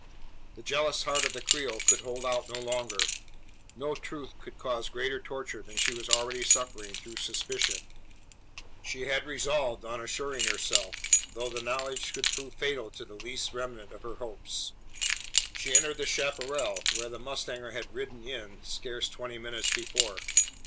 The jealous heart of the Creole could hold out no longer. No truth could cause greater torture than she was already suffering through suspicion. She had resolved on assuring herself, though the knowledge should prove fatal to the last faint remnant of her hopes. She entered the chapparal where the mustanger had ridden in scarce twenty minutes before.